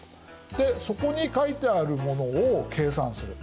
でそこに書いてあるものを計算する。